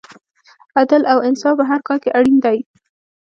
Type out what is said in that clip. عدل او انصاف په هر کار کې اړین دی.